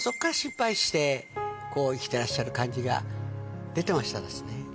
して生きてらっしゃる感じが出てましたですね。